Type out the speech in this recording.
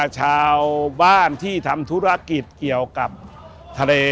ชาวบ้านที่ทำธุรกิจเกี่ยวกับทะเล